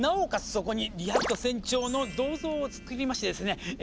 そこにリヒャルト船長の銅像をつくりましてですねえ